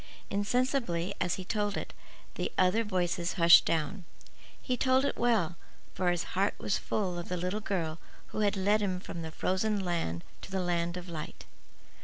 Insensibly, as he told it, the other voices hushed down. He told it well; for his heart was full of the little girl who had led him from the frozen land back to the land of light.